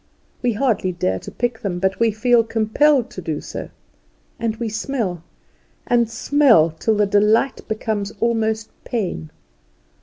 We hardly dare pick them, but we feel compelled to do so; and we smell and smell till the delight becomes almost pain.